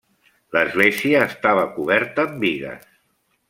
L'església estava coberta amb bigues.